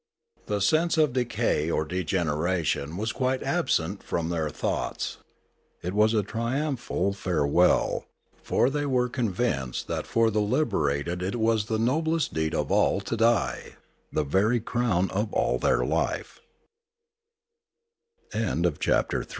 The sense of decay or degeneration was quite absent from their thoughts. It was a triumphal farewell; for they were convinced that for the liberated it was the noblest deed of all to die, the very c